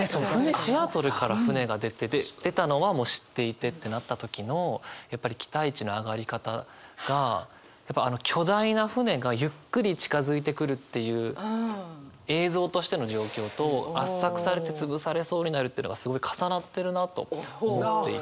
シアトルから船が出て出たのはもう知っていてってなった時のやっぱり期待値の上がり方があの巨大な船がゆっくり近づいてくるっていう映像としての状況と圧搾されて潰されそうになるっていうのがすごい重なってるなと思っていて。